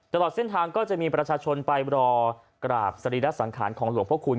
ตลอดเส้นทางก็จะมีประชาชนไปรอกราบสรีระสังขารของหลวงพระคุณ